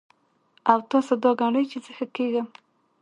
او تاسو دا ګڼئ چې زۀ ښۀ کېږم